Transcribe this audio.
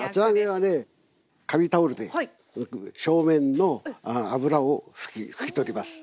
紙タオルで表面の油を拭き取ります。